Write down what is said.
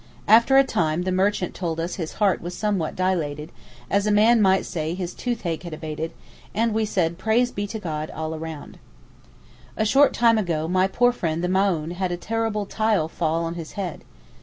After a time the merchant told us his heart was somewhat dilated—as a man might say his toothache had abated—and we said 'Praise be to God' all round. A short time ago my poor friend the Maōhn had a terrible 'tile' fall on his head.